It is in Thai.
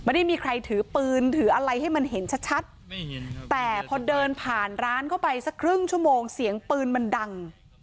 ไม่ได้มีใครถือปืนถืออะไรให้มันเห็นชัดแต่พอเดินผ่านร้านเข้าไปสักครึ่งชั่วโมงเสียงปืนมันดัง